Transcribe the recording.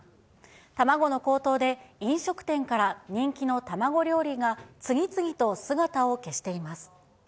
卵の高騰で、飲食店から人気の卵料理が次々と姿を消しています。